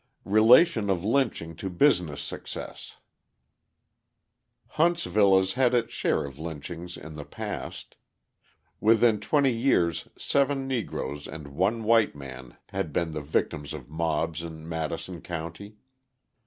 Relation of Lynching to Business Success Huntsville has had its share of lynchings in the past. Within twenty years seven Negroes and one white man had been the victims of mobs in Madison County.